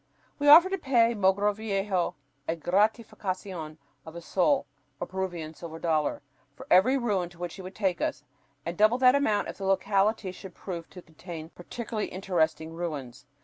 We offered to pay Mogrovejo a gratificación of a sol, or Peruvian silver dollar, for every ruin to which he would take us, and double that amount if the locality should prove to contain particularly interesting ruins.